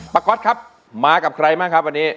ก๊อตครับมากับใครบ้างครับวันนี้